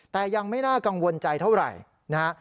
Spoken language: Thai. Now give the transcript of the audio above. แต่ยังไม่น่ากังวลใจเท่าไหร่นะฮะ